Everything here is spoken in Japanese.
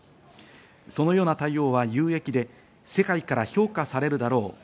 そのような対応は有益で世界から評価されるだろう。